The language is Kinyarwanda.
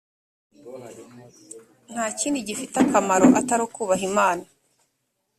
nta kindi gifite akamaro atari ukubaha imana.